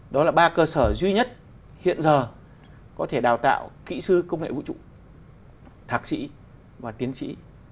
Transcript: đó là ba cơ sở duy nhất hiện giờ có thể đào tạo kỹ sư công nghệ vũ trụ thạc sĩ và tiến sĩ